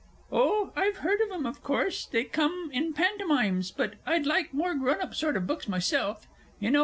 Oh, I've heard of them, of course they come in Pantomimes but I like more grown up sort of books myself, you know.